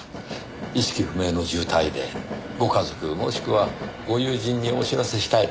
意識不明の重体でご家族もしくはご友人にお知らせしたいのですが。